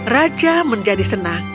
raja menjadi senang